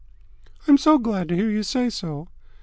"I'm so glad to hear you say so."